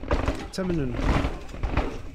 Ttamnen-ken.